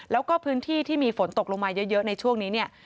แล้วก็พื้นที่ที่มีฝนตกลงมาเยอะในช่วงนี้เนี่ย